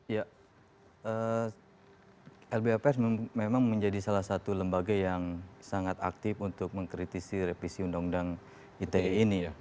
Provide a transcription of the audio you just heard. ya lba pers memang menjadi salah satu lembaga yang sangat aktif untuk mengkritisi revisi undang undang ite ini ya